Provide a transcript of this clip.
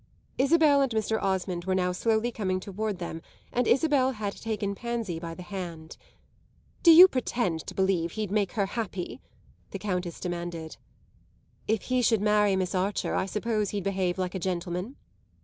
Isabel and Mr. Osmond were now slowly coming toward them and Isabel had taken Pansy by the hand. "Do you pretend to believe he'd make her happy?" the Countess demanded. "If he should marry Miss Archer I suppose he'd behave like a gentleman."